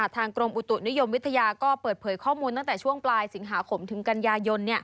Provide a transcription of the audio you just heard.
กรมอุตุนิยมวิทยาก็เปิดเผยข้อมูลตั้งแต่ช่วงปลายสิงหาคมถึงกันยายน